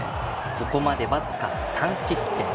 ここまで僅か３失点。